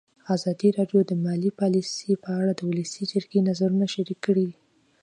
ازادي راډیو د مالي پالیسي په اړه د ولسي جرګې نظرونه شریک کړي.